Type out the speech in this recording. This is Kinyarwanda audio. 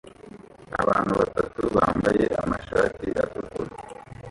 Abantu batatu bambaye amashati atukura